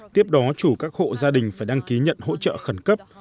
tiếp đó chủ các hộ gia đình phải đăng ký nhận hỗ trợ khẩn cấp